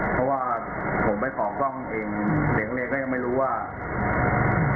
เพราะว่าผมไปขอกล้องเองเด็กนักเรียนก็ยังไม่รู้ว่า